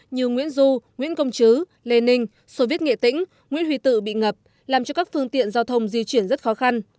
như nguyễn du nguyễn công chứ lê ninh sô viết nghệ tĩnh nguyễn huy tự bị ngập làm cho các phương tiện giao thông di chuyển rất khó khăn